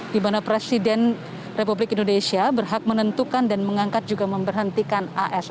di mana presiden republik indonesia berhak menentukan dan mengangkat juga memberhentikan as